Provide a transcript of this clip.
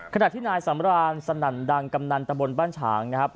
ขณะที่นายสำรานสนั่นดังกำนันตะบนบ้านฉางนะครับ